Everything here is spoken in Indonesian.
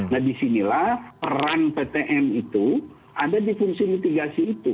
nah disinilah peran ptm itu ada di fungsi mitigasi itu